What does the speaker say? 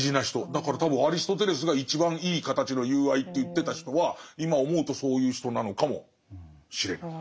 だから多分アリストテレスが一番いい形の友愛って言ってた人は今思うとそういう人なのかもしれない。